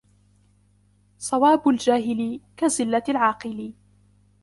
صواب الجاهل كزلة العاقل